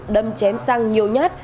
đâm chém sang nhiều nhát